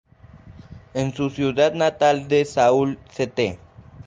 En su ciudad natal de Sault Ste.